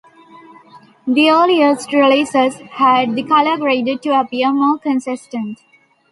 The earliest releases had the colour graded to appear more consistent.